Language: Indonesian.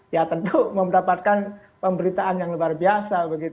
ya tentu mendapatkan pemberitaan yang luar biasa